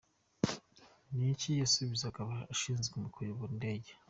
Ni iki yasubizaga abashinzwe kuyobora indege?.